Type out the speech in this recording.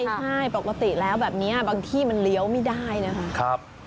ใช่ปกติแล้วแบบนี้บางที่มันเลี้ยวไม่ได้นะคะ